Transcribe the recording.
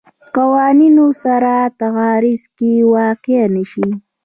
قوانونو سره تعارض کې واقع نه شي.